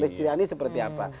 hristiani seperti apa